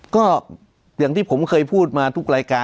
ก็อย่างที่ผมเคยพูดมาทุกรายการ